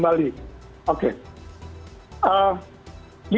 jadi kita mau ajak kembali